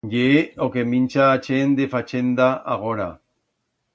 Ye o que mincha a chent de fachenda agora.